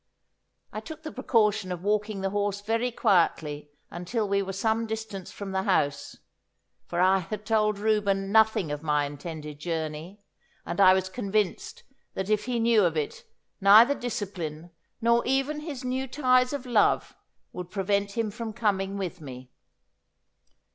I took the precaution of walking the horse very quietly until we were some distance from the house, for I had told Reuben nothing of my intended journey, and I was convinced that if he knew of it neither discipline, nor even his new ties of love, would prevent him from coming with me.